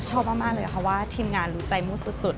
ชอบมากเลยเพราะว่าทีมงานรู้ใจมูสุด